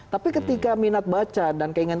tapi ketika minat baca dan keinginan